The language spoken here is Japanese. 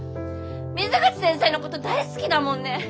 水口先生のこと大好きだもんね！